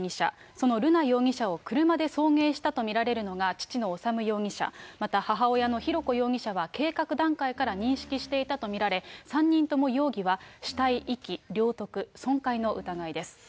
その瑠奈容疑者を車で送迎したと見られるのが、父の修容疑者、また母親の浩子容疑者は計画段階から認識していたと見られ、３人とも容疑は死体遺棄・領得・損壊の疑いです。